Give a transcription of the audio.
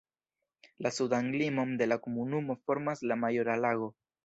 La sudan limon de la komunumo formas la Majora Lago.